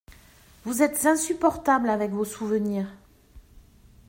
Vous êtes insupportable avec vos souvenirs.